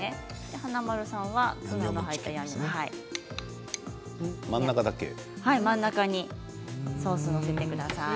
華丸さんはツナが入った方に真ん中にソースを載せてください。